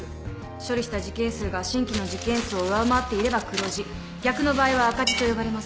処理した事件数が新規の事件数を上回っていれば黒字逆の場合は赤字と呼ばれます。